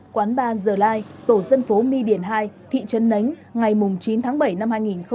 quán ba the line tổ dân phố my điển hai thị trấn nánh ngày chín tháng bảy năm hai nghìn hai mươi hai